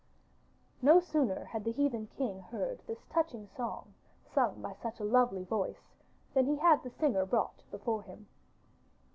No sooner had the heathen king heard this touching song sung by such a lovely voice, than he had the singer brought before him.